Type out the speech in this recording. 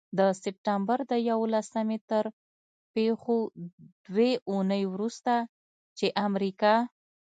د سپټمبر د یوولسمې تر پيښو دوې اونۍ وروسته، چې امریکا